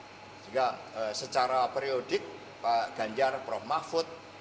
sehingga secara periodik pak ganjar prof mahfud